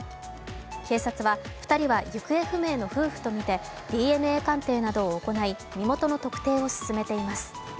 警察は、２人は行方不明の夫婦とみてＤＮＡ鑑定などを行い、身元の特定を進めています。